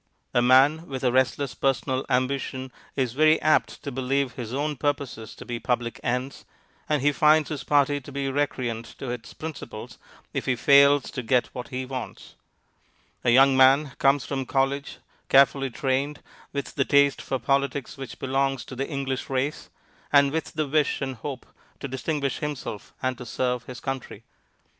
A man with a restless personal ambition is very apt to believe his own purposes to be public ends, and he finds his party to be recreant to its principles if he fails to get what he wants. A young man comes from college carefully trained, with the taste for politics which belongs to the English race, and with the wish and hope to distinguish himself and to serve his country.